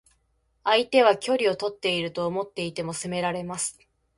相手は距離をとっていると思っていても攻められます。